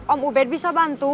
om ubed bisa bantu